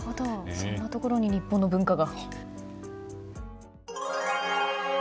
そんなところに日本文化が。